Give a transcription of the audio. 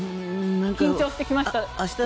緊張してきました。